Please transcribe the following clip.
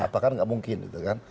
bahkan nggak mungkin gitu kan